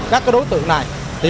các đối tượng này